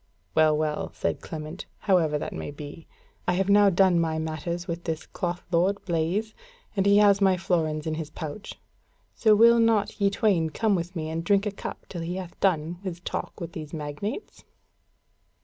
"Well, well," said Clement, "however that may be, I have now done my matters with this cloth lord, Blaise, and he has my florins in his pouch: so will not ye twain come with me and drink a cup till he hath done his talk with these magnates?"